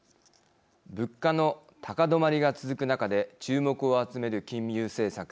物価の高止まりが続く中で注目を集める金融政策。